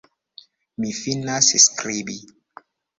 Mi finas skribi.